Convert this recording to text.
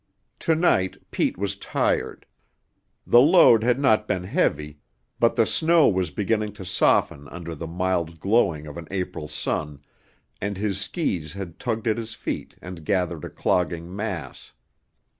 To night Pete was tired; the load had not been heavy, but the snow was beginning to soften under the mild glowing of an April sun, and his skis had tugged at his feet and gathered a clogging mass.